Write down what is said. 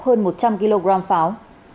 hơn một trăm linh kg pháo